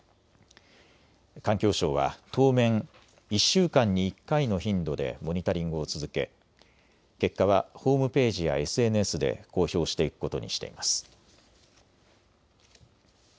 環境省は当面、１週間に１回の頻度でモニタリングを続け結果はホームページやＳＮＳで公表していくことにしています。